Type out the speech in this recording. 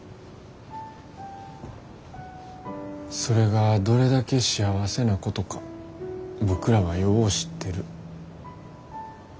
それがどれだけ幸せなことか僕らはよう知ってる。